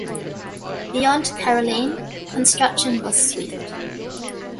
Beyond Caroline, construction was swift.